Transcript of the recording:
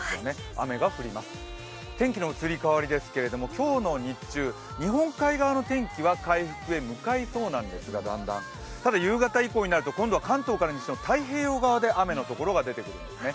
雨が降ります、天気の移り変わりですが今日の日中、日本海側の天気はだんだん回復へ向かいそうなんですが、ただ、夕方以降になると今度は関東から西の太平洋側で雨の所が出てくるんですね。